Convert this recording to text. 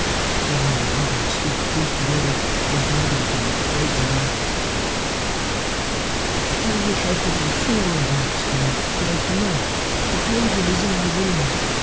Johnny and Albert stood close together, regarding him with frightened eyes. "I wish I could reform," he exclaimed, "but I cannot! The poison is in my veins.